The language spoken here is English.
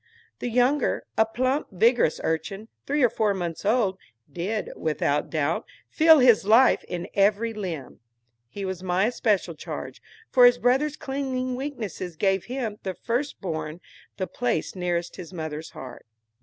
The younger, a plump, vigorous urchin, three or four months old, did, without doubt, "feel his life in every limb." He was my especial charge, for his brother's clinging weakness gave him, the first born, the place nearest his mother's heart.